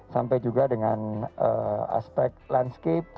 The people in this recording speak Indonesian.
sampai juga dengan aspek landscape